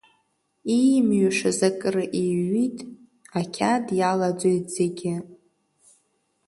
Иимҩышаз акры иҩит, ақьаад иалаӡоит зегьы!